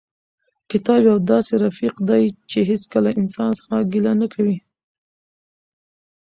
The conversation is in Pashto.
کتاب یو داسې رفیق دی چې هېڅکله له انسان څخه ګیله نه کوي.